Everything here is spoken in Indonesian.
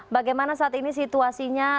bagaimana saat ini situasinya